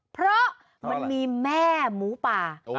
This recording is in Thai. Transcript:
เพราะมันมีแม่หมูป่า